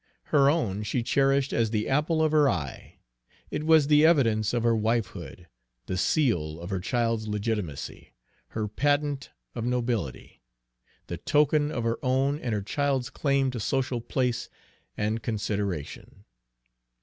Her own she cherished as the apple of her eye. It was the evidence of her wifehood, the seal of her child's legitimacy, her patent of nobility, the token of her own and her child's claim to social place and consideration.